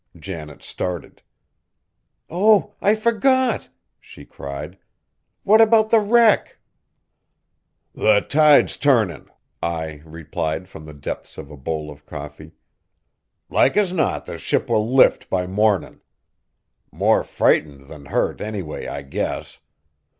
Janet started. "Oh! I forgot," she cried; "what about the wreck?" "The tide's turnin'," Ai replied from the depths of a bowl of coffee. "Like as not the ship will lift by mornin'! More frightened than hurt anyway, I guess.